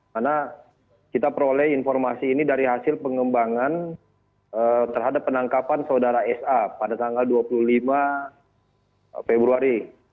karena kita peroleh informasi ini dari hasil pengembangan terhadap penangkapan saudara sa pada tanggal dua puluh lima februari